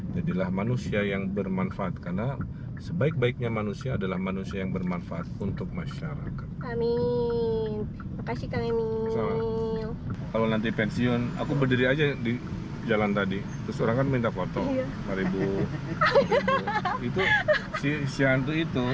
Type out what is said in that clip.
di pensiun aku berdiri aja di jalan tadi keserangan minta foto ribu itu siantri itu